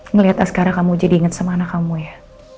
ngeliat aslara kamu jadi inget sama anak kamu ya